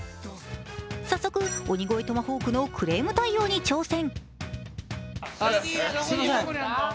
早速、鬼越トマホークのクレーム対応に挑戦。